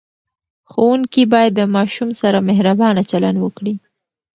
ښوونکي باید د ماشوم سره مهربانه چلند وکړي.